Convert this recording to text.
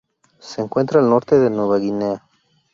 Se encuentra al norte de Nueva Guinea.